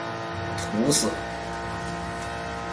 土死了！